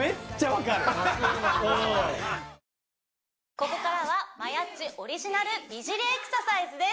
ここからはマヤっちオリジナル美尻エクササイズです